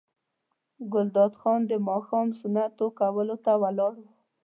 ګلداد خان د ماښام سنتو کولو ته ولاړ و.